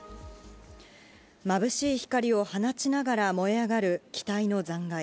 まぶしい光を放ちながら燃え上がる機体の残骸。